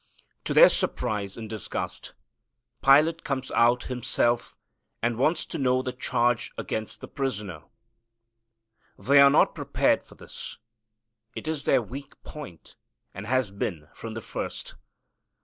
To their surprise and disgust,[A] Pilate comes out himself and wants to know the charge against the prisoner. They are not prepared for this. It is their weak point, and has been from the first.